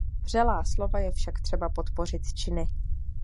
Vřelá slova je však třeba podpořit činy.